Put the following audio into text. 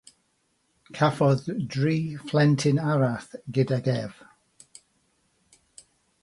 Cafodd dri phlentyn arall gydag ef.